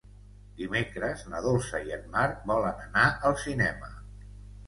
Dimecres na Dolça i en Marc volen anar al cinema.